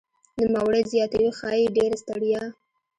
نوموړی زیاتوي "ښايي ډېره ستړیا